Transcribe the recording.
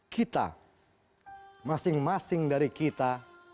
kita masing masing dari kita